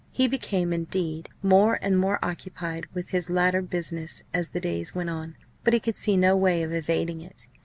He became, indeed, more and more occupied with this latter business as the days went on. But he could see no way of evading it.